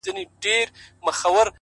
• د ځان وژني د رسۍ خریدارۍ ته ولاړم؛